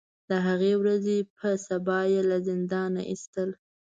د هغې ورځې په سبا یې له زندان نه ایستل.